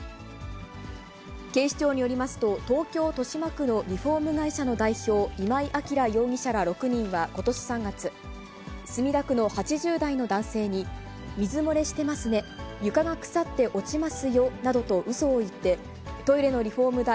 警視庁によりますと、東京・豊島区のリフォーム会社の代表、今井明容疑者ら６人は、ことし３月、墨田区の８０代の男性に、水漏れしてますね、床が腐って落ちますよなどとうそを言って、トイレのリフォーム代、